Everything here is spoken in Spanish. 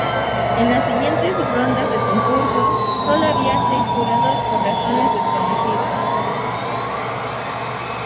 En las siguientes rondas del concurso, sólo había seis jurados por razones desconocidas.